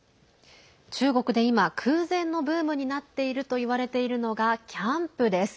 中国で今空前のブームになっているといわれているのがキャンプです。